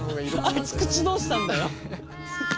あいつ口どうしたんだよ。